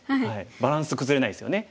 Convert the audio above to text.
バランス崩れないですよね。